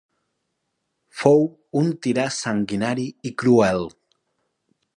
Fou un tirà sanguinari i cruel.